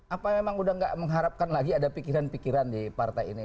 apa memang udah gak mengharapkan lagi ada pikiran pikiran di partai ini